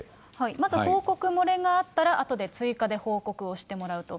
まず報告漏れがあったらあとで追加で報告をしてもらうと。